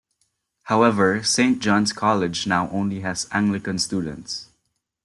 However, Saint John's College now only has Anglican students.